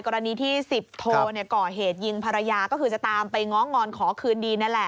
กรณีที่๑๐โทก่อเหตุยิงภรรยาก็คือจะตามไปง้องงอนขอคืนดีนั่นแหละ